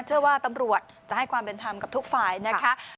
เชื่อว่าตำรวจจะให้ความเป็นธรรมกับทุกฝ่ายนะคะ